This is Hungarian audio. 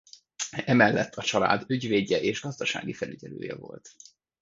Emellett a család ügyvédje és gazdasági felügyelője volt.